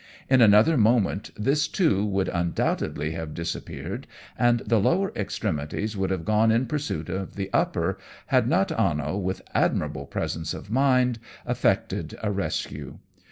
In another moment this, too, would undoubtedly have disappeared, and the lower extremities would have gone in pursuit of the upper, had not Anno with admirable presence of mind effected a rescue.